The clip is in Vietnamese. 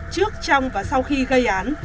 trước trong và sau khi gây án